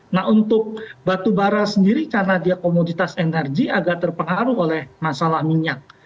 nah untuk batu bara sendiri karena dia komoditas energi agak terpengaruh oleh masalah minyak